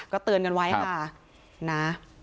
ก็เตือนกันไว้ค่ะนะ